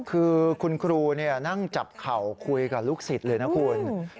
คือคุณครูนั่งจับเข่าคุยกับลูกศิษย์เลยนะคุณ